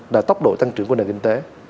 là tốc độ tăng trưởng của nền kinh tế